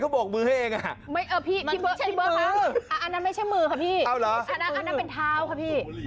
อ้าวเหรออันนั้นอันนั้นเป็นเท้าค่ะพี่